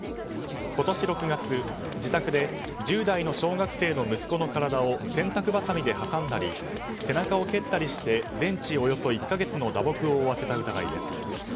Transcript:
今年６月、自宅で１０代の小学生の息子の体を洗濯ばさみで挟んだり背中を蹴ったりして全治およそ１か月の打撲を負わせた疑いです。